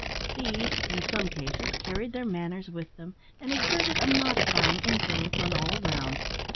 These, in some cases, carried their manners with them, and exerted a modifying influence on all around.